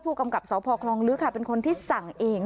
กำกับสพคลองลึกค่ะเป็นคนที่สั่งเอง